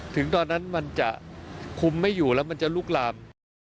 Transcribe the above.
ถึงตอนนั้นมันจะคุมไม่อยู่แล้วมันจะลุกลาม